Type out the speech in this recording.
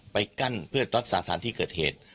ไปกั้นเพื่อรักษาสถานที่เกิดเหตุ